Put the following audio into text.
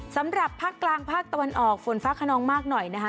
สำหรับภาคกลางภาคตะวันออกฝนฟ้าขนองมากหน่อยนะคะ